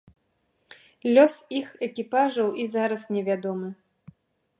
Лёс іх экіпажаў і зараз не вядомы.